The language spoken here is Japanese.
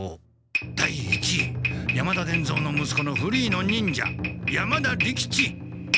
第一位山田伝蔵のむすこのフリーの忍者山田利吉」。